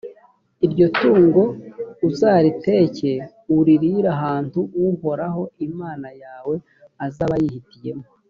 iryo tungo uzariteke, uririre ahantu uhoraho imana yawe azaba yihitiyemo;